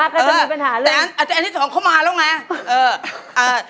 แต่อาจจะอันที่สองเข้ามาแล้วกันครับ